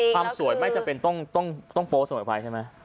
ความสวยไม่จำเป็นต้องโพสไว้ใช่มั้ย